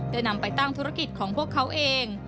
ได้นำไปตั้งธุรกิจของพวกเขาเอง